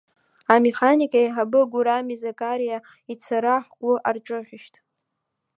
Амеханик еиҳабы Гурами Зақараиа ицара ҳгәы арҿыӷьышт!